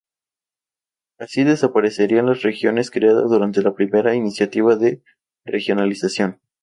Así desaparecerían las regiones creadas durante la primera iniciativa de regionalización.